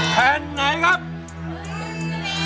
ตัดสินใจให้ดี